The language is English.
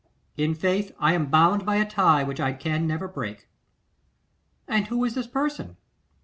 'In faith; I am bound by a tie which I can never break.' 'And who is this person?